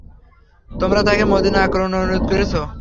তোমরা তাকে মদীনা আক্রমণের অনুরোধ করেছ।